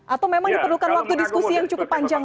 atau memang diperlukan waktu diskusi yang cukup panjang